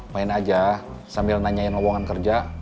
main aja sambil nanyain lowongan kerja